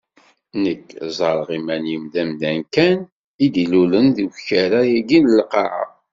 Nekk ẓerreɣ iman-iw d amdan kan i d-ilulen deg ukerra-agi n lqaɛa.